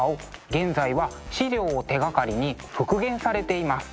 現在は資料を手がかりに復元されています。